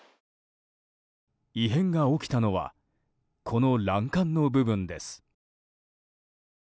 異変が起きたのはこの欄干の部分です。